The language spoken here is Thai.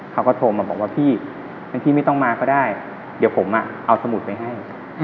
เขาก็โทรมาบอกว่าพี่งั้นพี่ไม่ต้องมาก็ได้เดี๋ยวผมเอาสมุดไปให้